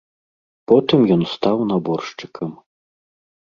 Потым ён стаў наборшчыкам.